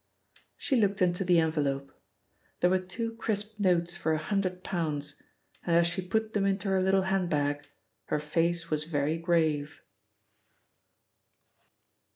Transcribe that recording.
She looked into the envelope. There were two crisp notes for a hundred pounds, and as she put them into her little hand bag her face was very grave.